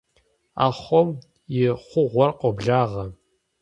Ахъом и хъугъуэр къоблагъэ.